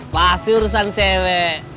pasti urusan cewek